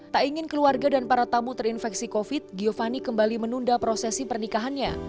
tak ingin keluarga dan para tamu terinfeksi covid giovanni kembali menunda prosesi pernikahannya